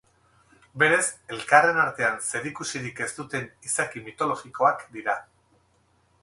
Berez, elkarren artean zerikusirik ez duten izaki mitologikoak dira.